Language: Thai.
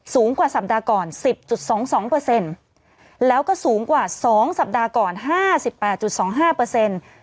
สูงกว่าสัปดาห์ก่อนสิบจุดสองสองเปอร์เซ็นต์แล้วก็สูงกว่าสองสัปดาห์ก่อนห้าสิบแปดจุดสองห้าเปอร์เซ็นต์